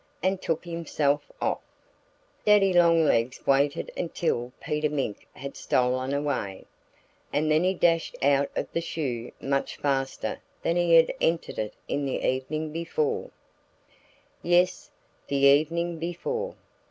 and took himself off. Daddy Longlegs waited until Peter Mink had stolen away. And then he dashed out of the shoe much faster than he had entered it the evening before. Yes; the evening before!